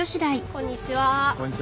こんにちは。